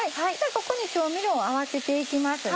ここに調味料合わせていきますね。